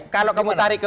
kalau kamu tarik ke